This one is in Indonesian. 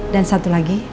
dan satu lagi